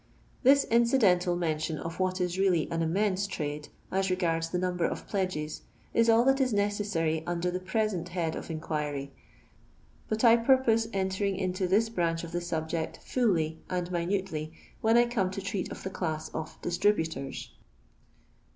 This incidental mention of what is really an immense trade, as regards the number of pledges, is all that is necessary under the present head of inquiry, but I purpose entering into tliis btaaeh of tho subject fully and minutely when I eonM to treat of the chiss of " distributors."